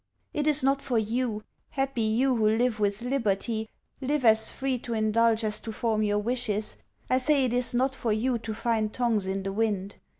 It is not for you, happy you, who live with liberty, live as free to indulge as to form your wishes, I say it is not for you to find tongues in the wind.